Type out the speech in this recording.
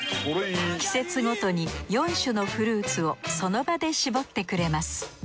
季節ごとに４種のフルーツをその場で搾ってくれます。